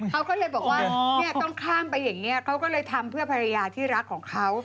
เขาก็เลยบอกว่าเนี่ยต้องข้ามไปอย่างนี้เขาก็เลยทำเพื่อภรรยาที่รักของเขา